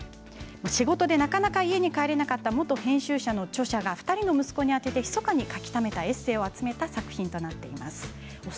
仕事でなかなか家に帰れなかった元編集者の著者が２人の息子に宛ててひそかに書きためたエッセーを集めた作品となっています。